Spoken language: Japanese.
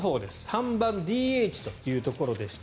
３番ＤＨというところでした。